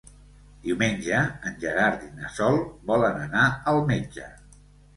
Diumenge en Gerard i na Sol volen anar al metge.